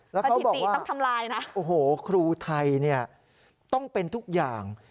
แล้วเขาบอกต้องทำลายนะโอ้โหครูไทยเนี่ยต้องเป็นทุกอย่าง